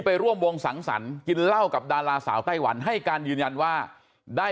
ไปร่วมวงสังสรรค์กินเหล้ากับดาราสาวไต้หวันให้การยืนยันว่าได้